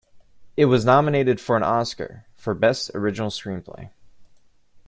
It was nominated for an Oscar for best original screenplay.